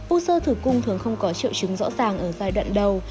u sơ thử cung thường không có triệu chứng rõ ràng ở giai đoạn đầu